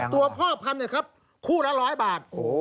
ตัวพ่อพันธุ์เนี่ยครับคู่ละ๑๐๐บาท